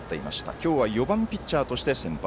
今日は４番ピッチャーとして先発。